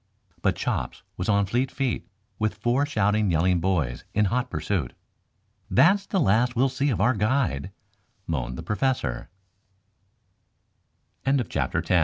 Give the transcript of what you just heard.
But Chops was on fleet feet, with four shouting, yelling boys in hot pursuit. "That's the last we shall see of our guide," moaned the Professor, sitt